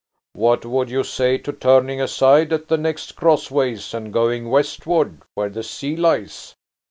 "What would you say to turning aside at the next crossways and going westward where the sea lies?